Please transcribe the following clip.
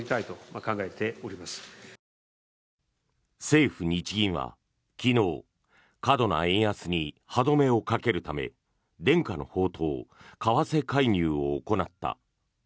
政府・日銀は昨日過度な円安に歯止めをかけるため伝家の宝刀、為替介入を行った。